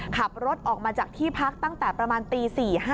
ขับรถออกมาจากที่พักตั้งแต่ประมาณตี๔๕